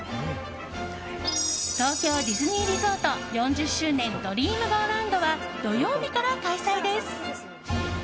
東京ディズニーリゾート４０周年“ドリームゴーラウンド”は土曜日から開催です。